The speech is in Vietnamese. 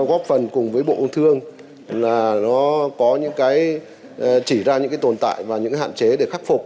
để làm sao góp phần cùng với bộ công thương là nó có những cái chỉ ra những cái tồn tại và những cái hạn chế để khắc phục